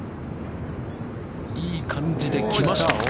いい感じできました。